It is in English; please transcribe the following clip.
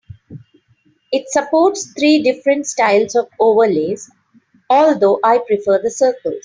It supports three different styles of overlays, although I prefer the circles.